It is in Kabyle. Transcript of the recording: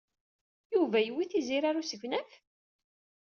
Yuba yewwi Tiziri ɣer usegnaf?